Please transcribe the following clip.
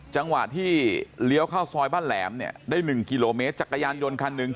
จังหวะที่เลี้ยวเข้าซอยบ้านแหลมเนี่ยได้๑กิโลเมตรจักรยานยนต์คันหนึ่ง